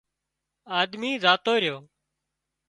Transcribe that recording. آۮمي زاتو ريو